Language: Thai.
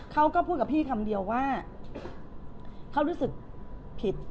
เขาก็พูดกับพี่คำเดียวว่าเขารู้สึกผิด